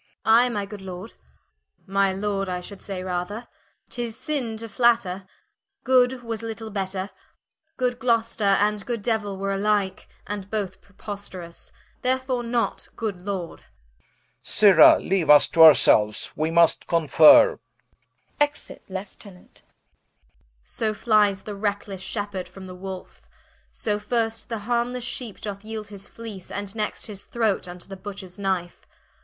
Hen. I my good Lord: my Lord I should say rather, Tis sinne to flatter, Good was little better: 'Good Gloster, and good Deuill, were alike, And both preposterous: therefore, not Good Lord Rich. Sirra, leaue vs to our selues, we must conferre Hen. So flies the wreaklesse shepherd from y Wolfe: So first the harmlesse Sheepe doth yeeld his Fleece, And next his Throate, vnto the Butchers Knife.